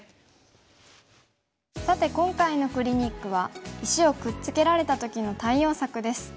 さて今回のクリニックは石をくっつけられた時の対応策です。